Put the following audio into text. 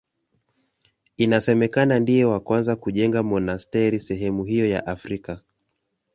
Inasemekana ndiye wa kwanza kujenga monasteri sehemu hiyo ya Afrika.